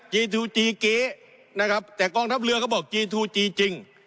ทูจีเก๊นะครับแต่กองทัพเรือเขาบอกจีนทูจีจริง